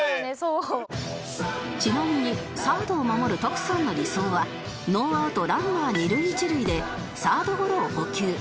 ちなみにサードを守るトクサンの理想はノーアウトランナー二塁一塁でサードゴロを捕球